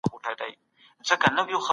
پخوا خلکو د دولت مصارف غير توليدي ګڼلي وو.